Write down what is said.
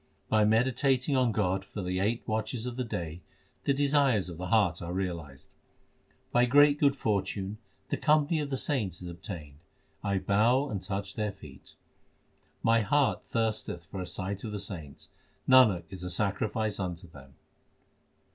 By meditating on God for the eight watches of the day, the desires of the heart are realised. By great good fortune the company of the saints is ob tained ; I bow and touch their feet. My heart thirsteth for a sight of the saints ; Nanak is a sacrifice unto them.